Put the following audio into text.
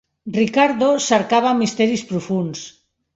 Ricardo cercava misteris profunds.